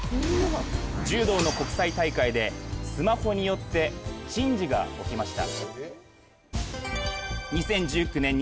柔道の国際大会でスマホによって珍事が起きました。